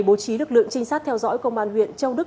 bố trí lực lượng trinh sát theo dõi công an huyện châu đức